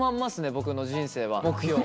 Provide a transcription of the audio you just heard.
「僕の人生は」。